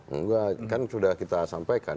enggak kan sudah kita sampaikan